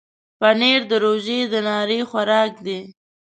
پنېر د روژې د ناري خوراک دی.